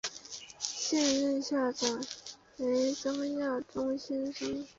现任校长为张耀忠先生。